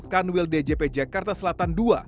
kanwil djp jakarta selatan ii